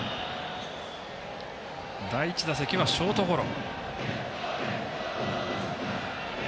第１打席はショートゴロ。